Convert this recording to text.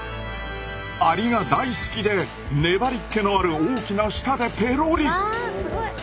アリが大好きで粘りけのある大きな舌でペロリ。わすごい！